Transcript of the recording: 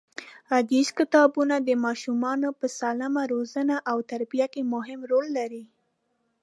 غږیز کتابونه د ماشومانو په سالمه روزنه او تربیه کې مهم رول لري.